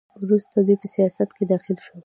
وروسته دوی په سیاست کې دخیل شول.